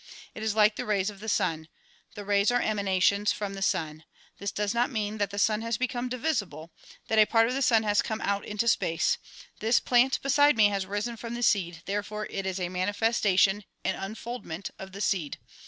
It is like the rays of the sun. The rays are emana tions from the sun. This does not mean that the sun has become divisible; that a part of the sun has come out into space. This plant beside me has risen from the seed ; therefore it is a manifesta tion and unfoldment of the seed.